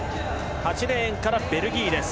８レーンからベルギーです。